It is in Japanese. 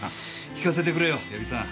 聞かせてくれよ矢木さん。